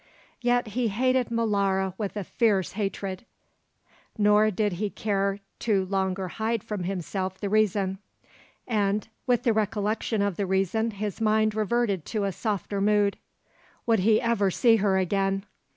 Yet he hated Molara with a fierce hatred; nor did he care to longer hide from himself the reason. And with the recollection of the reason his mind reverted to a softer mood. Would he ever see her again?